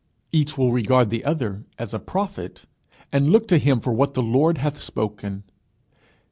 Each will regard the other as a prophet, and look to him for what the Lord hath spoken.